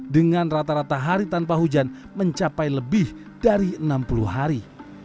dengan rata rata hari tanpa hujan mencapai lebih dari enam puluh hari